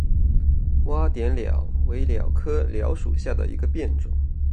洼点蓼为蓼科蓼属下的一个变种。